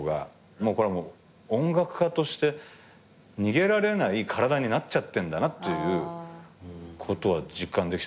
これはもう音楽家として逃げられない体になっちゃってんだなっていうことは実感できた。